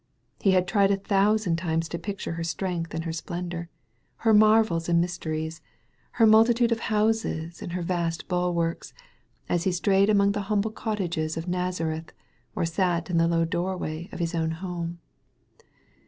He had tried a thousand times to picture her strength and her splendor, her marvels and mysteries, her multi 268 THE BOY OF NAZARETH DREAMS tude of houses and her vast bulwarks, as he strayed among the humble cottages of Nazareth or sat in the low doorway of his own home.